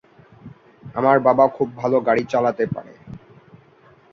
আমার বাবা খুব ভাল গাড়ি চালাতে পারে।